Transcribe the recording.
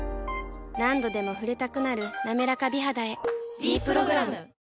何度でも触れたくなる「なめらか美肌」へ「ｄプログラム」